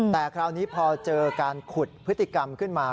แต่คราวนี้พอเจอการขุดพฤติกรรมขึ้นมา